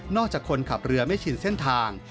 จากคนขับเรือไม่ชินเส้นทาง